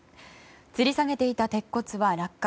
つり下げていた鉄骨は落下。